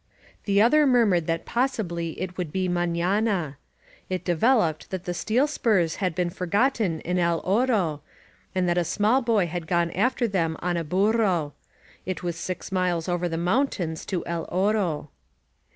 The other nmrmnred that possibly it would be moMafuu It devdoped that the sted spars had been forgotten in El Oro, and that a small boy had gone after them on a burro. It was six miles over the mountains to El Oro.